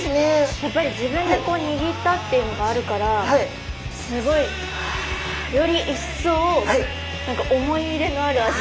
やっぱり自分でこう握ったっていうのがあるからすごいより一層何か思い入れのある味。